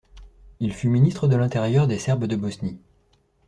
Il fut ministre de l'intérieur des Serbes de Bosnie.